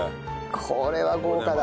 これは豪華だ！